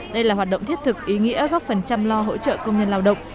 đây là hoạt động thiết thực ý nghĩa góp phần chăm lo hỗ trợ công nhân lao động